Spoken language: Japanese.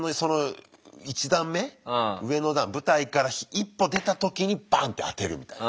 上の段舞台から１歩出た時にバンってあてるみたいな。